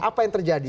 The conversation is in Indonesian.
apa yang terjadi